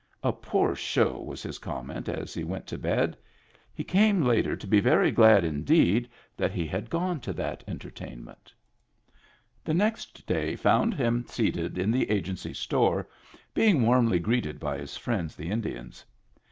" A poor show," was his comment as he went to bed. He came later to be very glad indeed that he had gone to that entertainment The next day found him seated in the Agency store, being warmly greeted by his friends the Indians.